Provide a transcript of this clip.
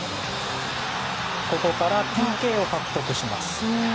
ここから、ＰＫを獲得します。